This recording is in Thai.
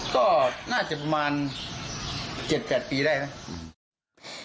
ก็น่าจะประมาณ๗๘ปีได้ไหม